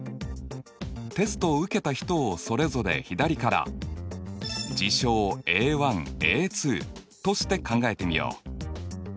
テストを受けた人をそれぞれ左から事象ＡＡとして考えてみよう。